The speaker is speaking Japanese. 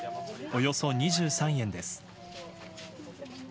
およそ２３円です。